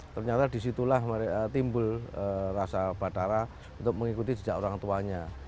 ternyata disitulah timbul rasa batara untuk mengikuti jejak orang tuanya